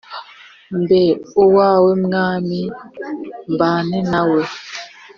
Mbe uwawe Mwami mbane nawe,